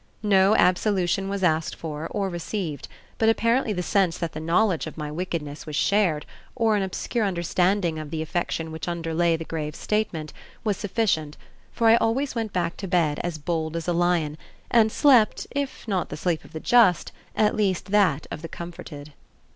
No absolution was asked for or received, but apparently the sense that the knowledge of my wickedness was shared, or an obscure understanding of the affection which underlay the grave statement, was sufficient, for I always went back to bed as bold as a lion, and slept, if not the sleep of the just, at least that of the comforted.